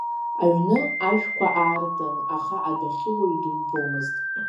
Аҩны ашәқәа аартын, аха адәахьы уаҩ дубомызт.